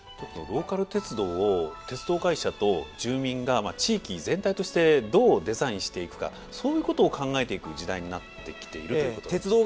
ローカル鉄道を鉄道会社と住民が地域全体としてどうデザインしていくかそういうことを考えていく時代になってきているということでしょうか？